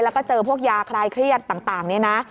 แล้วก็เจอพวกยาคลายเครียดต่างเนี่ยนะ